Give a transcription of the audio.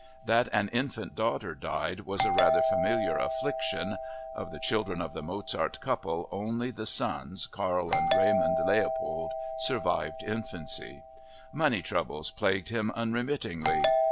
That an infant daughter died was a rather familiar affliction (of the children of the Mozart couple only the sons, Karl and Raymund Leopold, survived infancy). Money troubles plagued him unremittingly.